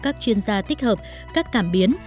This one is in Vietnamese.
các chuyên gia tích hợp các cảm biến